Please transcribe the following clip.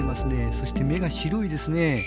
そして、目が白いですね。